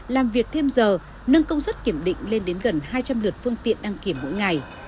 làm việc thêm giờ nâng công suất kiểm định lên đến gần hai trăm linh lượt phương tiện đăng kiểm mỗi ngày